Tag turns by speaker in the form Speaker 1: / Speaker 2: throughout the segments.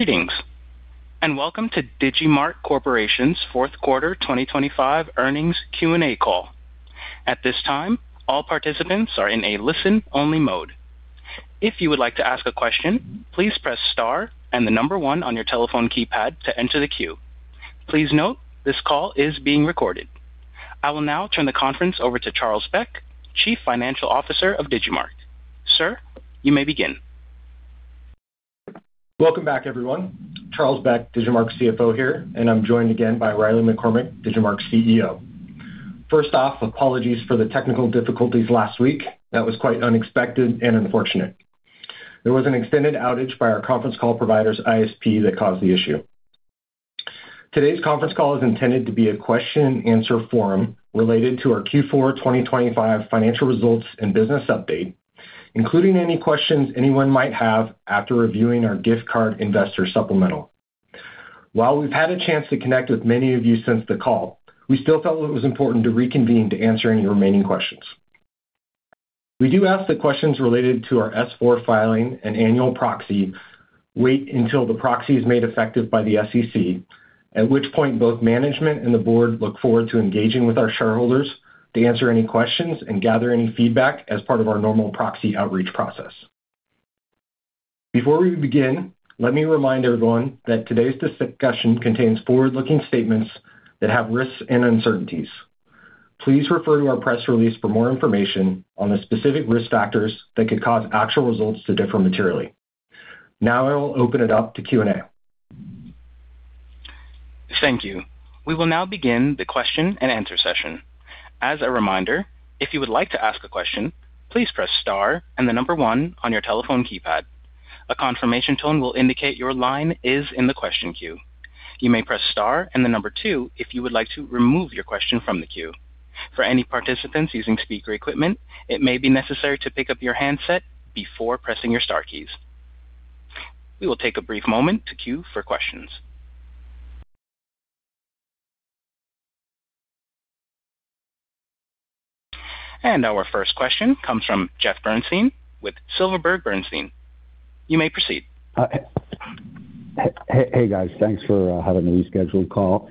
Speaker 1: Greetings, and welcome to Digimarc Corporation's fourth quarter 2025 earnings Q&A call. At this time, all participants are in a listen-only mode. If you would like to ask a question, please press star and the number one on your telephone keypad to enter the queue. Please note, this call is being recorded. I will now turn the conference over to Charles Beck, Chief Financial Officer of Digimarc. Sir, you may begin.
Speaker 2: Welcome back, everyone. Charles Beck, Digimarc's CFO here, and I'm joined again by Riley McCormack, Digimarc's CEO. First off, apologies for the technical difficulties last week. That was quite unexpected and unfortunate. There was an extended outage by our conference call provider's ISP that caused the issue. Today's conference call is intended to be a question and answer forum related to our Q4 2025 financial results and business update, including any questions anyone might have after reviewing our gift card investor supplemental. While we've had a chance to connect with many of you since the call, we still felt it was important to reconvene to answer any remaining questions. We do ask that the questions related to our Form S-4 filing and annual proxy wait until the proxy is made effective by the SEC, at which point both management and the board look forward to engaging with our shareholders to answer any questions and gather any feedback as part of our normal proxy outreach process. Before we begin, let me remind everyone that today's discussion contains forward-looking statements that have risks and uncertainties. Please refer to our press release for more information on the specific risk factors that could cause actual results to differ materially. Now I will open it up to Q&A.
Speaker 1: Thank you. We will now begin the question and answer session. As a reminder, if you would like to ask a question, please press star and the number one on your telephone keypad. A confirmation tone will indicate your line is in the question queue. You may press star and the number two if you would like to remove your question from the queue. For any participants using speaker equipment, it may be necessary to pick up your handset before pressing your star keys. We will take a brief moment to queue for questions. Our first question comes from Jeff Bernstein with Silverberg Bernstein. You may proceed.
Speaker 3: Hey, guys. Thanks for having a rescheduled call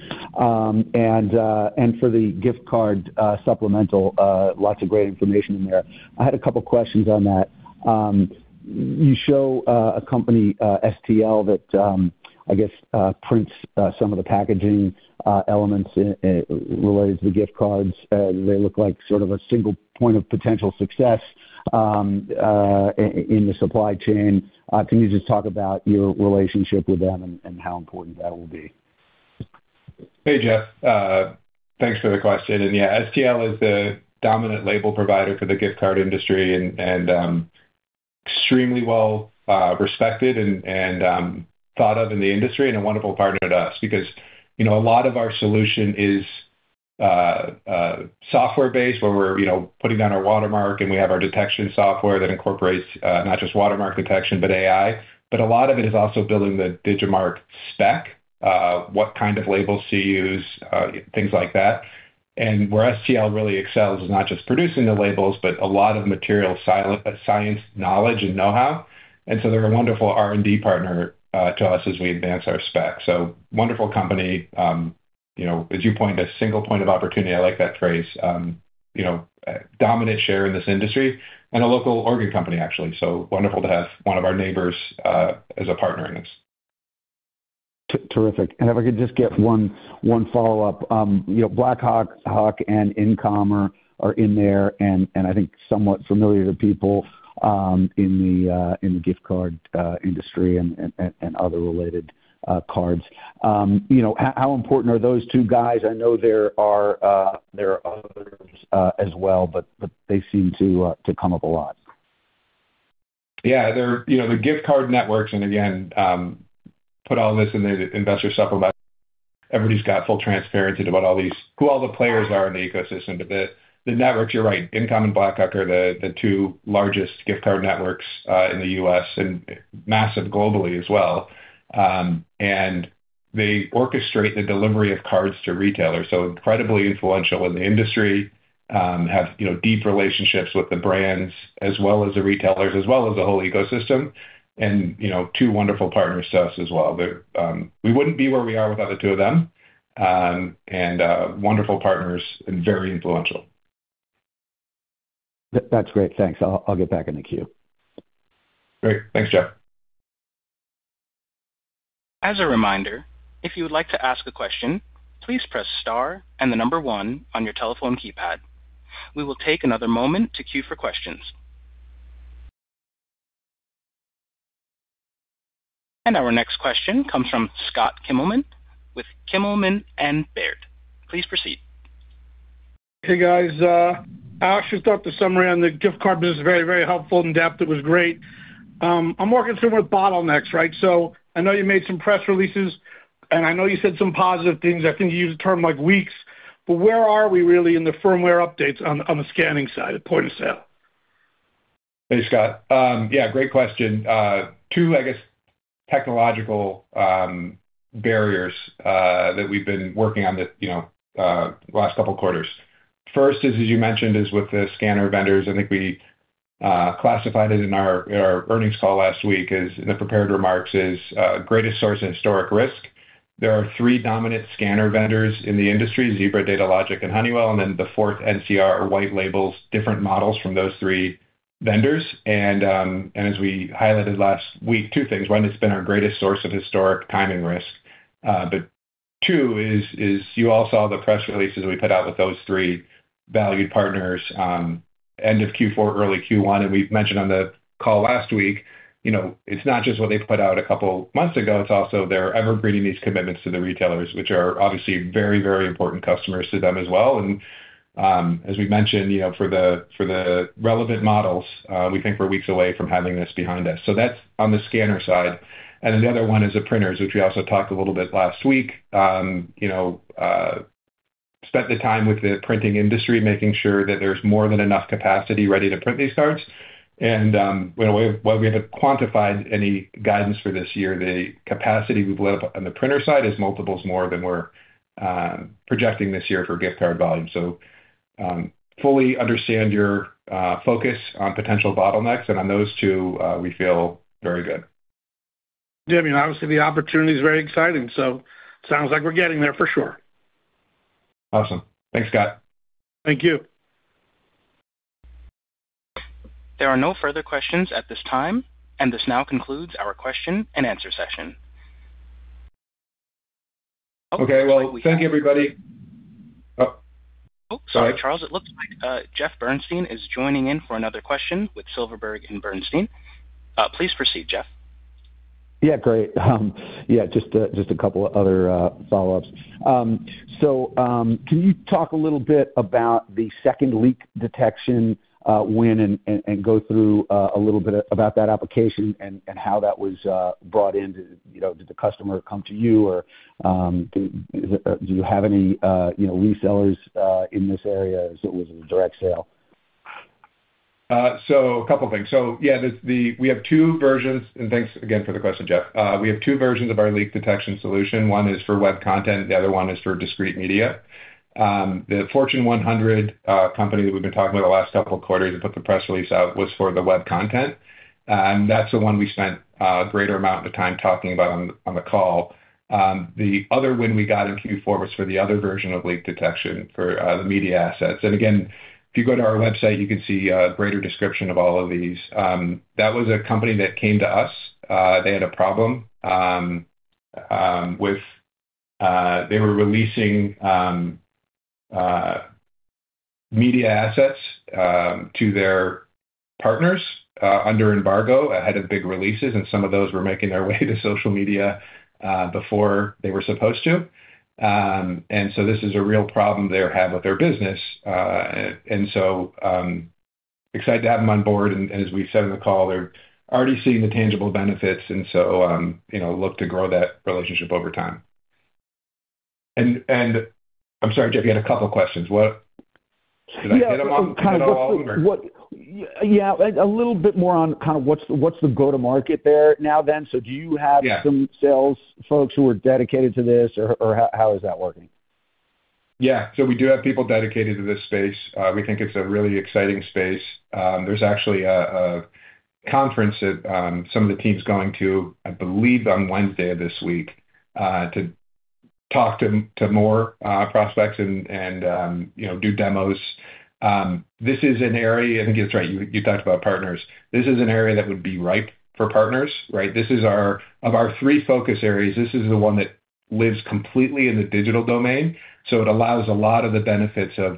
Speaker 3: for the gift card supplemental, lots of great information in there. I had a couple questions on that. You show a company, STL, that I guess prints some of the packaging elements related to the gift cards. They look like sort of a single point of potential success in the supply chain. Can you just talk about your relationship with them and how important that will be?
Speaker 4: Hey, Jeff. Thanks for the question. Yeah, STL is the dominant label provider for the gift card industry and extremely well respected and thought of in the industry and a wonderful partner to us because, you know, a lot of our solution is software-based, where we're, you know, putting down our watermark, and we have our detection software that incorporates not just watermark detection, but AI. A lot of it is also building the Digimarc spec, what kind of labels to use, things like that. Where STL really excels is not just producing the labels, but a lot of material science, knowledge and know-how. They're a wonderful R&D partner to us as we advance our spec. Wonderful company. You know, as you point out a single point of opportunity, I like that phrase. You know, dominant share in this industry and a local Oregon company, actually, so wonderful to have one of our neighbors as a partner in this.
Speaker 3: Terrific. If I could just get one follow-up. You know, Blackhawk Network and InComm are in there and I think somewhat familiar to people in the gift card industry and other related cards. You know, how important are those two guys? I know there are others as well, but they seem to come up a lot.
Speaker 4: Yeah. They're, you know, the gift card networks and again, put all this in the investor supplement. Everybody's got full transparency about all these, who all the players are in the ecosystem, but the networks, you're right, InComm and Blackhawk are the two largest gift card networks in the U.S. and massive globally as well. They orchestrate the delivery of cards to retailers, so incredibly influential in the industry, have you know deep relationships with the brands as well as the retailers, as well as the whole ecosystem. You know, two wonderful partners to us as well. We wouldn't be where we are without the two of them. Wonderful partners and very influential.
Speaker 3: That's great. Thanks. I'll get back in the queue.
Speaker 4: Great. Thanks, Jeff.
Speaker 1: As a reminder, if you would like to ask a question, please press star and the number one on your telephone keypad. We will take another moment to queue for questions. Our next question comes from Scott Kimelman with Kimelman & Baird. Please proceed.
Speaker 5: Hey, guys. I actually thought the summary on the gift card business was very, very helpful, in-depth. It was great. I'm more concerned with bottlenecks, right? I know you made some press releases, and I know you said some positive things. I think you used a term like weeks, but where are we really in the firmware updates on the scanning side at point of sale?
Speaker 2: Thanks, Scott. Yeah, great question. Two, I guess, technological barriers that we've been working on, you know, last couple quarters. First is, as you mentioned, with the scanner vendors. I think we classified it in our earnings call last week as the prepared remarks is greatest source of historic risk. There are three dominant scanner vendors in the industry, Zebra, Datalogic, and Honeywell, and then the fourth NCR or white labels, different models from those three vendors. As we highlighted last week, two things. One, it's been our greatest source of historic timing risk. But two is you all saw the press releases we put out with those three valued partners end of Q4, early Q1. We've mentioned on the call last week, you know, it's not just what they put out a couple months ago, it's also they're endeavoring to bring these commitments to the retailers, which are obviously very, very important customers to them as well. As we've mentioned, you know, for the relevant models, we think we're weeks away from having this behind us. That's on the scanner side. Then the other one is the printers, which we also talked a little bit last week. You know, we spent the time with the printing industry, making sure that there's more than enough capacity ready to print these cards. While we haven't quantified any guidance for this year, the capacity we've built on the printer side is multiples more than we're projecting this year for gift card volume. Fully understand your focus on potential bottlenecks. On those two, we feel very good.
Speaker 5: Yeah, I mean, obviously the opportunity is very exciting, so sounds like we're getting there for sure.
Speaker 2: Awesome. Thanks, Scott.
Speaker 5: Thank you.
Speaker 1: There are no further questions at this time, and this now concludes our question and answer session.
Speaker 2: Okay. Well, thank you, everybody.
Speaker 1: Oh, sorry, Charles. It looks like, Jeff Bernstein is joining in for another question with Silverberg Bernstein. Please proceed, Jeff.
Speaker 3: Yeah, great. Yeah, just a couple other follow-ups. Can you talk a little bit about the second leak detection win and go through a little bit about that application and how that was brought in. Did you know, did the customer come to you or do you have any you know resellers in this area? It was a direct sale.
Speaker 2: A couple things. Yeah, we have two versions. Thanks again for the question, Jeff. We have two versions of our leak detection solution. One is for web content, the other one is for discrete media. The Fortune 100 company that we've been talking about the last couple of quarters and put the press release out was for the web content. That's the one we spent a greater amount of time talking about on the call. The other win we got in Q4 was for the other version of leak detection for the media assets. Again, if you go to our website, you can see a greater description of all of these. That was a company that came to us. They had a problem with they were releasing media assets to their partners under embargo ahead of big releases, and some of those were making their way to social media before they were supposed to. This is a real problem they have with their business. You know, look to grow that relationship over time. I'm sorry, Jeff, you had a couple questions. Did I hit them all?
Speaker 3: Yeah, a little bit more on kind of what's the go to market there now then.
Speaker 2: Yeah.
Speaker 3: Do you have some sales folks who are dedicated to this or how is that working?
Speaker 2: Yeah. We do have people dedicated to this space. We think it's a really exciting space. There's actually a conference that some of the team's going to, I believe, on Wednesday of this week, to talk to more prospects and, you know, do demos. This is an area I think you're right. You talked about partners. This is an area that would be ripe for partners, right? Of our three focus areas, this is the one that lives completely in the digital domain. It allows a lot of the benefits of,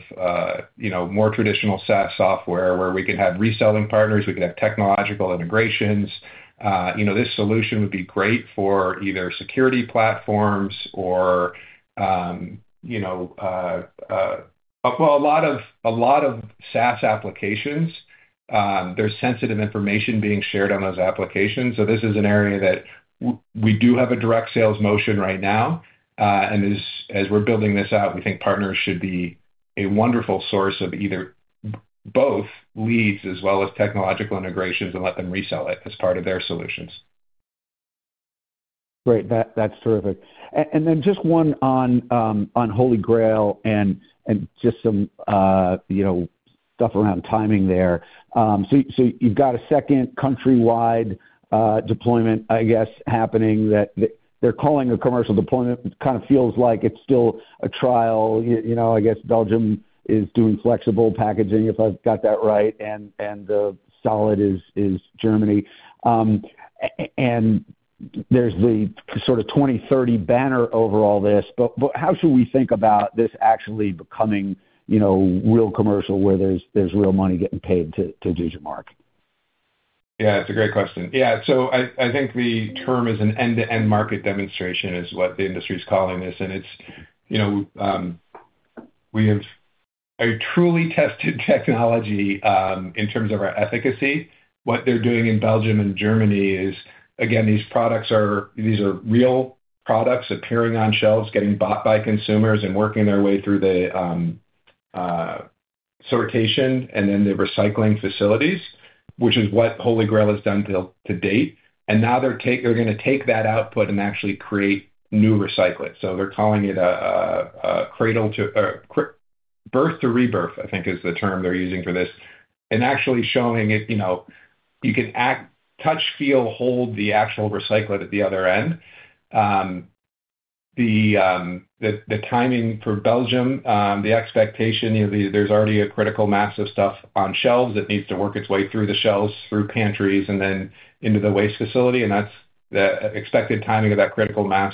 Speaker 2: you know, more traditional SaaS software where we can have reselling partners, we can have technological integrations. You know, this solution would be great for either security platforms or, you know, well, a lot of SaaS applications. There's sensitive information being shared on those applications. This is an area that we do have a direct sales motion right now, and as we're building this out, we think partners should be a wonderful source of either both leads as well as technological integrations and let them resell it as part of their solutions.
Speaker 3: Great. That's terrific. Just one on HolyGrail and just some, you know, stuff around timing there. You've got a second countrywide deployment, I guess, happening that they're calling a commercial deployment. It kind of feels like it's still a trial. You know, I guess Belgium is doing flexible packaging, if I've got that right, and the solid is Germany. There's the sort of 2030 banner over all this. How should we think about this actually becoming, you know, real commercial where there's real money getting paid to Digimarc?
Speaker 4: Yeah, it's a great question. Yeah. I think the term is an end-to-end market demonstration is what the industry is calling this. It's, you know, we have a truly tested technology in terms of our efficacy. What they're doing in Belgium and Germany is, again, these are real products appearing on shelves, getting bought by consumers, and working their way through the sortation and then the recycling facilities, which is what HolyGrail has done to date. Now they're gonna take that output and actually create new recyclates. They're calling it a cradle to birth to rebirth, I think is the term they're using for this, and actually showing it, you know, you can actually touch, feel, hold the actual recyclate at the other end. The timing for Belgium, the expectation, you know, there's already a critical mass of stuff on shelves that needs to work its way through the shelves, through pantries, and then into the waste facility. That's the expected timing of that critical mass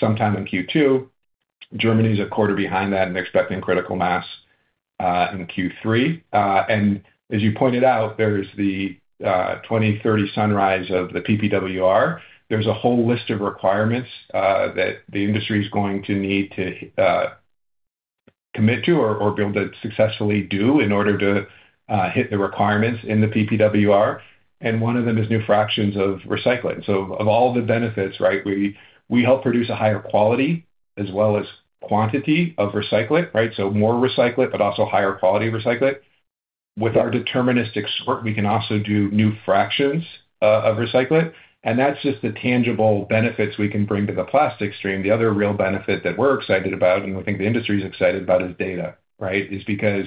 Speaker 4: sometime in Q2. Germany's a quarter behind that and expecting critical mass in Q3. As you pointed out, there's the 2030 sunrise of the PPWR. There's a whole list of requirements that the industry's going to need to commit to or be able to successfully do in order to hit the requirements in the PPWR. One of them is new fractions of recyclate. So of all the benefits, right, we help produce a higher quality as well as quantity of recyclate, right? More recyclate, but also higher quality recyclate. With our deterministic sort, we can also do new fractions of recyclate, and that's just the tangible benefits we can bring to the plastic stream. The other real benefit that we're excited about, and we think the industry's excited about, is data, right? Because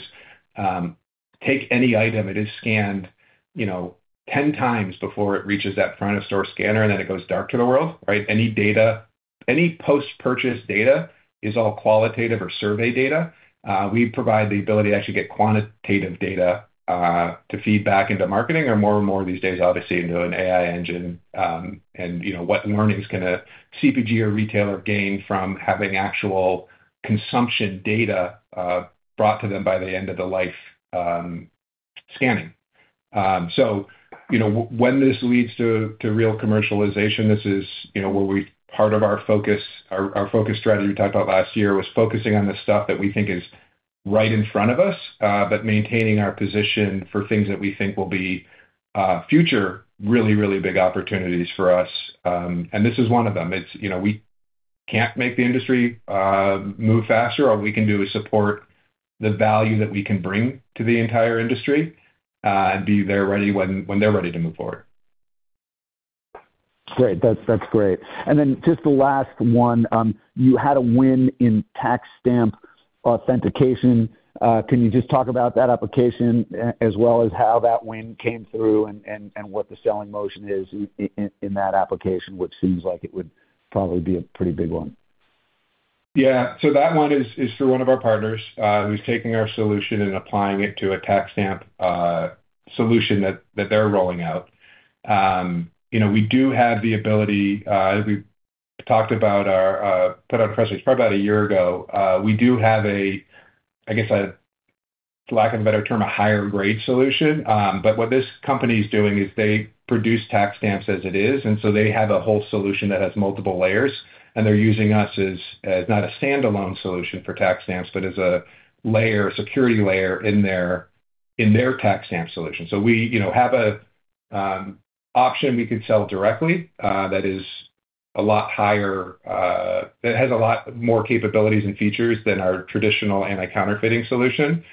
Speaker 4: take any item that is scanned, you know, 10x before it reaches that front of store scanner, and then it goes dark to the world, right? Any data, any post-purchase data is all qualitative or survey data. We provide the ability to actually get quantitative data to feed back into marketing or more and more these days, obviously into an AI engine. You know, what learnings can a CPG or retailer gain from having actual consumption data brought to them by the end of the life scanning. You know, when this leads to real commercialization, this is, you know, part of our focus strategy we talked about last year was focusing on the stuff that we think is right in front of us, but maintaining our position for things that we think will be future really, really big opportunities for us. This is one of them. It's, you know, we can't make the industry move faster. All we can do is support the value that we can bring to the entire industry and be there ready when they're ready to move forward.
Speaker 3: Great. That's great. Just the last one, you had a win in tax stamp authentication. Can you just talk about that application as well as how that win came through and what the selling motion is in that application, which seems like it would probably be a pretty big one?
Speaker 4: That one is through one of our partners, who's taking our solution and applying it to a tax stamp solution that they're rolling out. You know, we do have the ability, as we talked about, we put out a press release probably about a year ago. We do have, I guess, for lack of a better term, a higher grade solution. What this company's doing is they produce tax stamps as it is, and so they have a whole solution that has multiple layers, and they're using us as not a standalone solution for tax stamps, but as a layer, security layer in their tax stamp solution. We, you know, have a option we could sell directly that is a lot higher that has a lot more capabilities and features than our traditional anti-counterfeiting solution.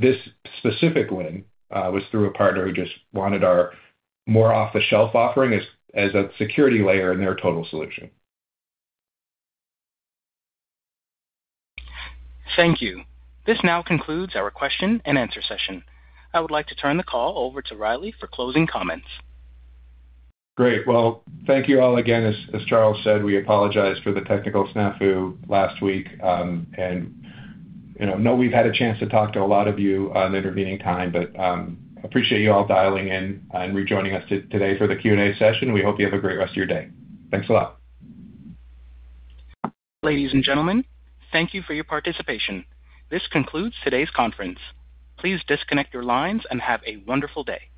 Speaker 4: This specific win was through a partner who just wanted our more off-the-shelf offering as a security layer in their total solution.
Speaker 1: Thank you. This now concludes our question-and-answer session. I would like to turn the call over to Riley for closing comments.
Speaker 4: Great. Well, thank you all again. As Charles said, we apologize for the technical snafu last week. You know, I know we've had a chance to talk to a lot of you in the intervening time, but appreciate you all dialing in and rejoining us today for the Q&A session. We hope you have a great rest of your day. Thanks a lot.
Speaker 1: Ladies and gentlemen, thank you for your participation. This concludes today's conference. Please disconnect your lines and have a wonderful day.